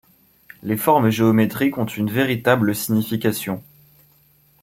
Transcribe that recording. Les formes géométriques ont une véritable signification.